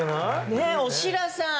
ねえおしらさん。